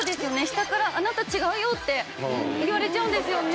下から「あなた違うよ」って言われちゃうんですよね？